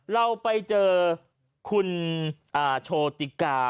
เราไปเจอคุณโชติกา